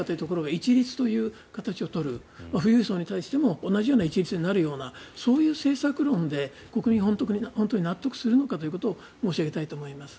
一律に配る富裕層に対しても同じような一律になるようなそういう政策論で、国民は本当に納得するのかということを申し上げたいと思います。